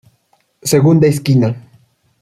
Segunda Esquina.